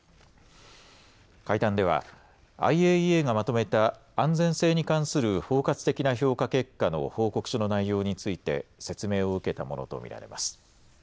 会談ではＩＡＥＡがまとめた安全性に関する包括的な評価結果の報告書の内容について説明を受けたものと見られます。